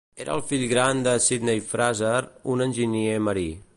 Era el fill gran de Sydney Fraser, un enginyer marí.